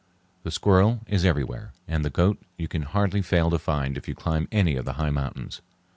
The squirrel is everywhere, and the goat you can hardly fail to find if you climb any of the high mountains.